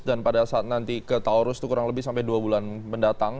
dan pada saat nanti ke taurus itu kurang lebih sampai dua bulan mendatang